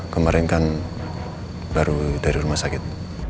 kemarin kan baru dari rumah sakit